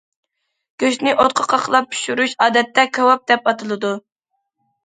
گۆشنى ئوتقا قاقلاپ پىشۇرۇش، ئادەتتە،‹‹ كاۋاپ›› دەپ ئاتىلىدۇ.